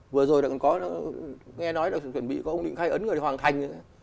vừa rồi đã có nghe nói đã chuẩn bị có một lĩnh khai ấn để hoàn thành